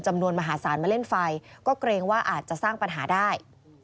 มวลมหาศาลมาเล่นไฟก็เกรงว่าอาจจะสร้างปัญหาได้